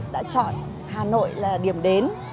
đã chọn hà nội là điểm đến